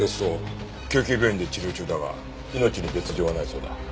救急病院で治療中だが命に別条はないそうだ。